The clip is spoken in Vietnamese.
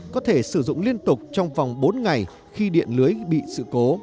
có thể sử dụng liên tục trong vòng bốn ngày khi điện lưới bị sự cố